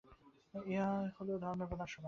ইহাই হইল ধর্মের প্রথম সোপান।